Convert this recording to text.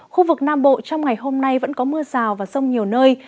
khu vực nam bộ trong ngày hôm nay vẫn có mưa rào và rông nhiều nơi